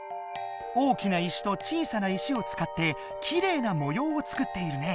大きな石と小さな石をつかってきれいなもようを作っているね。